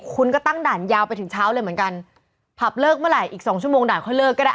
คุณก็ตั้งด่านยาวไปถึงเช้าเลยเหมือนกันผับเลิกเมื่อไหร่อีกสองชั่วโมงด่านค่อยเลิกก็ได้